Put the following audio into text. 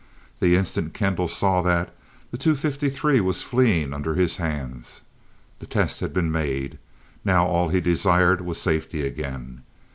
The instant Kendall saw that, the T 253 was fleeing under his hands. The test had been made. Now all he desired was safety again.